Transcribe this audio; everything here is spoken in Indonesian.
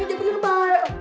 iya jangan beri kebaya